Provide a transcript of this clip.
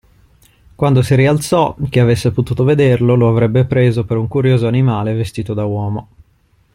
Quando si rialzò, chi avesse potuto vederlo lo avrebbe preso per un curioso animale vestito da uomo.